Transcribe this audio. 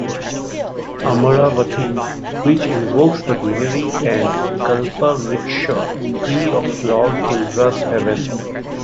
Amaravathi, which invokes the greenery and Kalpavriksha tree of Lord Indra's heaven.